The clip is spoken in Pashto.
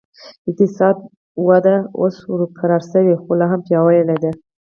اقتصادي وده اوس ورو شوې خو لا هم پیاوړې ده.